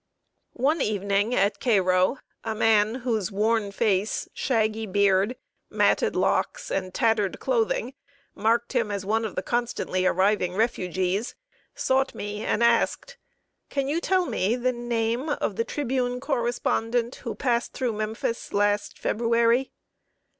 One evening, at Cairo, a man, whose worn face, shaggy beard, matted locks, and tattered clothing marked him as one of the constantly arriving refugees, sought me and asked: "Can you tell me the name of The Tribune correspondent who passed through Memphis last February?"